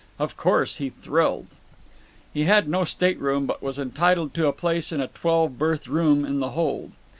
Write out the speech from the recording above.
(Of course, he "thrilled.") He had no state room, but was entitled to a place in a twelve berth room in the hold.